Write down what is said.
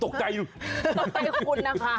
ตกไกลคุณนะคะ